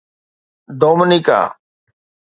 Dominica